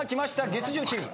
月１０チーム。